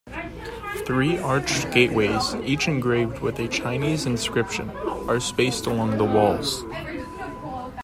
Three arched gateways, each engraved with a Chinese inscription, are spaced along the walls.